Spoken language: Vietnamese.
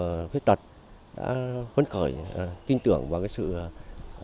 các hộ khuyết tật đã vấn khởi tin tưởng vào sự kinh tế của họ